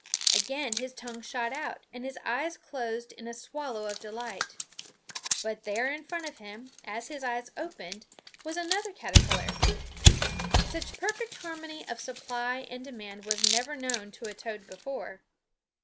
Again his tongue shot out, and his eyes closed in a swallow of delight. But there in front of him, as his eyes opened, was another caterpillar. Such perfect harmony of supply and demand was never known to a toad before.